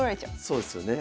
そうですよね。